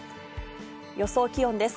予想気温です。